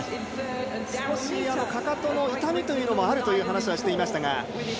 少しかかとの痛みもあるという話もしていました。